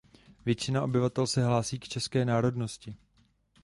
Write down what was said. Většina obyvatel se hlásí k české národnosti.